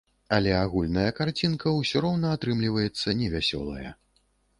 Але агульная карцінка ўсё роўна атрымліваецца невясёлая.